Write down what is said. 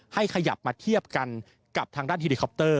ขยับมาเทียบกันกับทางด้านเฮลิคอปเตอร์